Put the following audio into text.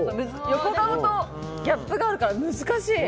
横顔とギャップがあるから難しい。